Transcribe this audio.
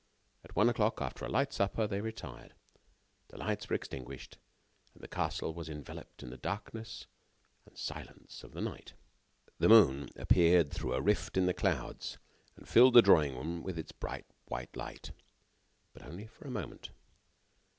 At one o'clock, after a light supper, they retired. The lights were extinguished, and the castle was enveloped in the darkness and silence of the night. The moon appeared through a rift in the clouds, and filled the drawing room with its bright white light. But only for a moment.